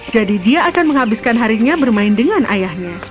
jadi dia akan menghabiskan harinya bermain dengan ayahnya